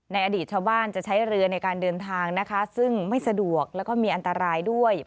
ในอดีตชาวบ้านจะใช้เรือในการเดินทางนะคะซึ่งไม่สะดวกแล้วก็มีอันตรายด้วย